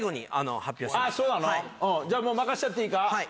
じゃあもう任しちゃっていいか。